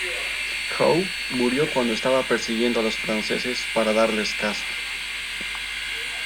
Howe murió cuando estaba persiguiendo a los franceses para darles caza.